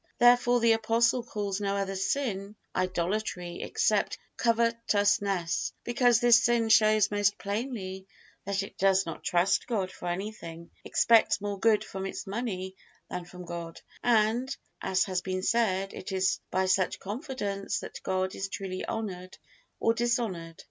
Therefore the Apostle calls no other sin idolatry except covetousness, because this sin shows most plainly that it does not trust God for anything, expects more good from its money than from God; and, as has been said, it is by such confidence that God is truly honored or dishonored.